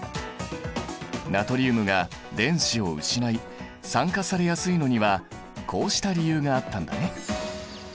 ナトリウムが電子を失い酸化されやすいのにはこうした理由があったんだね。